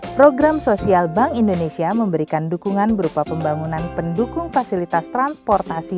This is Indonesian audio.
program sosial bank indonesia memberikan dukungan berupa pembangunan pendukung fasilitas transportasi